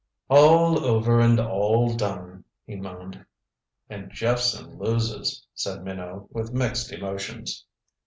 "All over, and all done," he moaned. "And Jephson loses," said Minot with mixed emotions.